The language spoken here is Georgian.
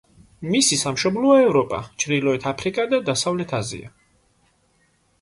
მისი სამშობლოა ევროპა, ჩრდილოეთ აფრიკა და დასავლეთ აზია.